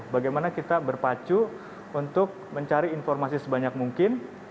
bagaimana kita berpacu untuk mencari informasi sebanyak mungkin